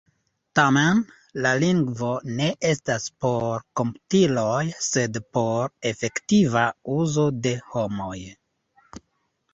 Tamen, la lingvo ne estas por komputiloj sed por efektiva uzo de homoj.